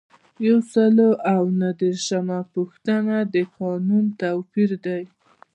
یو سل او نهه دیرشمه پوښتنه د قانون توپیر دی.